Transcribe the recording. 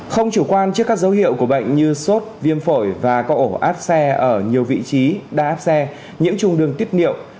không chủ quan trước các dấu hiệu của bệnh như sốt viêm phổi và có ổ áp xe ở nhiều vị trí đa áp xe nhiễm trung đường tiết niệu